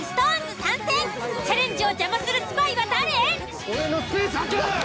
チャレンジを邪魔するスパイは誰？